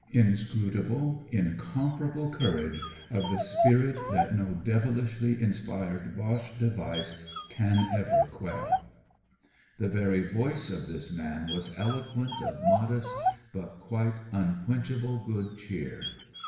Inscrutable, incom parable courage, of the spirit that no devilishly inspired Boche device can ever m. (1 u 286 ON THE WAY TO LONDON quell ! The very voice of thjs man was eloquent of modest but quite unquench able good cheer.